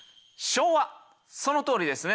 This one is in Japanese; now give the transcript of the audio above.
そのとおりですね。